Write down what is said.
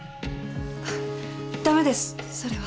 ダメですそれは。